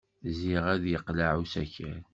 Zik ay yeqleɛ usakal.